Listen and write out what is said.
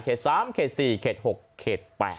๓เขต๔เขต๖เขต๘